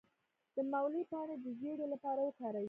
د مولی پاڼې د زیړي لپاره وکاروئ